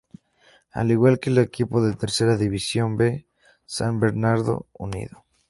Al igual que el equipo de Tercera División B, San Bernardo Unido.